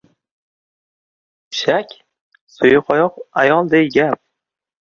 Pishak suyuqoyoq ayolday gap.